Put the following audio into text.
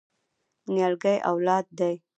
نیالګی اولاد دی؟